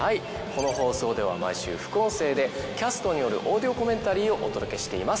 この放送では毎週副音声でキャストによるオーディオコメンタリーをお届けしています。